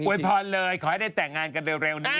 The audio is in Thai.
วยพรเลยขอให้ได้แต่งงานกันเร็วนี้